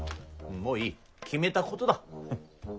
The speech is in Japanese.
もういい決めたことだ。